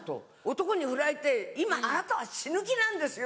「男にふられて今あなたは死ぬ気なんですよ！」